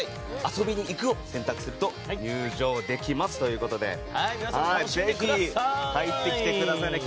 遊びに行くを選択すると入場できますということでぜひ、入ってきてくださいね。